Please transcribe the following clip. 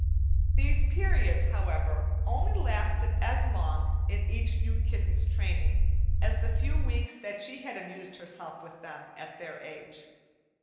These periods, however, only lasted as long, in each new kitten's training, as the few weeks that she had amused herself with them at their age.